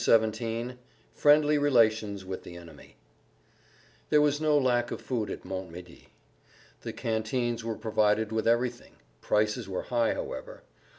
[Pg 142] XVII FRIENDLY RELATIONS WITH THE ENEMY There was no lack of food at Montmédy. The canteens were provided with everything; prices were high, however.